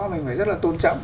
mình phải rất là tôn trọng